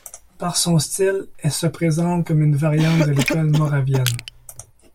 Par son style, elle se présente comme une variante de l'école moravienne.